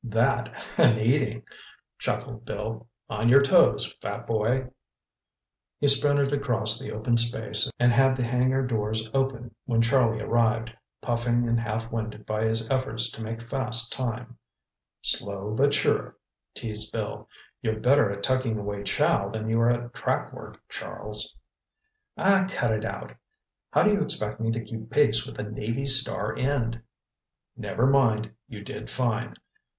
"That and eating," chuckled Bill. "On your toes, fat boy!" He sprinted across the open space and had the hangar doors open when Charlie arrived, puffing and half winded by his efforts to make fast time. "Slow but sure," teased Bill. "You're better at tucking away chow than you are at track work, Charles." "Aw, cut it out! How do you expect me to keep pace with the Navy's star end?" "Never mind, you did fine.